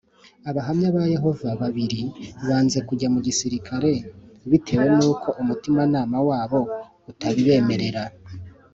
Abahamya ba Yehova babiri banze kujya mu gisirikare bitewe n’uko umutimanama wabo utabibemerera